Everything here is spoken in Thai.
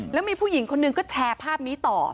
แล้วมีผู้หญิงคนหนึ่งก็แชร์ภาพนี้ต่อ